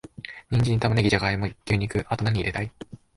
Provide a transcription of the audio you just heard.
ニンジン、玉ネギ、ジャガイモ、牛肉……あと、なに入れたい？